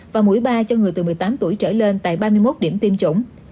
và mũi ba cho người từ một mươi tám tuổi trở lên tại ba mươi một điểm tiêm chủng